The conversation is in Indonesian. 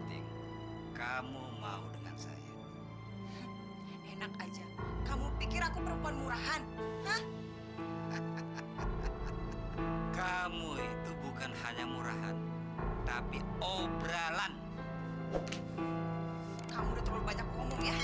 sekarang juga kamu keluar dari rumahku